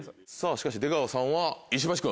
しかし出川さんは石橋君。